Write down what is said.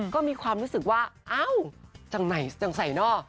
ก็มีความรู้สึกว่าเอ้าจังไหนจังใส่นอก